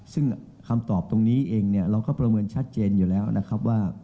ซึ่งคำตอบตรงนี้เองเนี่ยเราก็ประเมินชัดเจนอยู่แล้วนะครับว่า